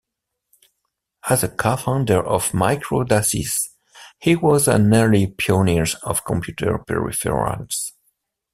As a co-founder of MicroDaSys, he was an early pioneer of computer peripherals.